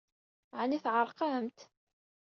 Ɛni tɛerqemt?